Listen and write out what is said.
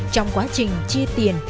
trong quá trình chia tiền